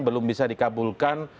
belum bisa dikabulkan